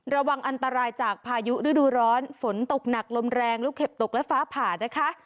ระวังอันตรายจากพายุฤดูร้อนฝนตกหนักลมแรงลูกเห็บตกและฟ้าผ่านะคะ